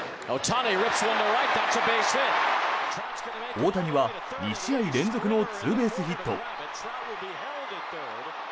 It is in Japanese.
大谷は２試合連続のツーベースヒット。